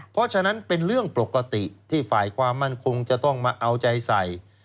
เพราะฉะนั้นเป็นเรื่องปกติที่ฝ่ายความมั่นคงจะต้องมาเอาใจใส่